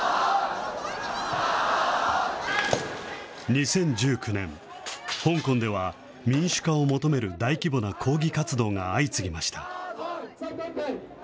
２０１９年、香港では、民主化を求める大規模な抗議活動が相次ぎました。